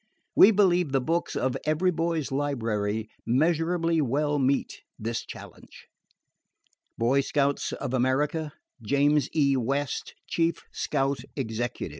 We believe the books of EVERY BOY'S LIBRARY measurably well meet this challenge. BOY SCOUTS OF AMERICA, James E. West Chief Scout Executive. CONTENTS I BROTHER AND